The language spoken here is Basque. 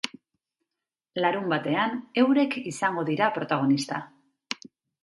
Larunbatean eurek izango dira protagonista.